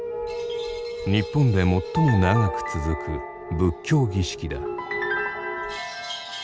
日本で最も長く続く仏教儀式だ。